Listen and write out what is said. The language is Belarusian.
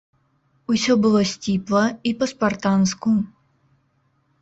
Усё было сціпла і па-спартанску.